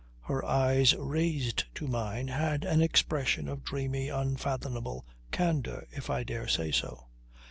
Her eyes raised to mine had an expression of dreamy, unfathomable candour, if I dare say so.